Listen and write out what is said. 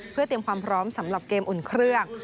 เพื่อเตรียมความพร้อมสำหรับเกมอุ่นเครื่อง